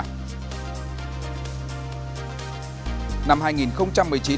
năm hai nghìn một mươi chín năm của những cuộc biểu tình và bất ổn xã hội